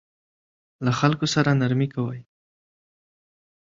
له خلکو سره نرمي کوئ